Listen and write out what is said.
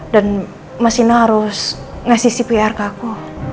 dan mas dino harus ngasih cpr ke aku